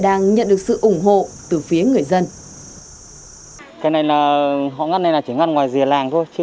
đang nhận được sự ủng hộ từ phía người dân cái này là họ ngăn này là chỉ ngăn ngoài dìa làng thôi